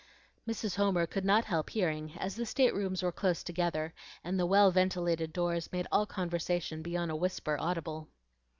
Mrs. Homer could not help hearing as the staterooms were close together, and the well ventilated doors made all conversation beyond a whisper audible.